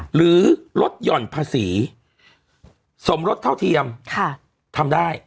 หรือลดหย่อนภาษีสมรสเท่าเทียมทำได้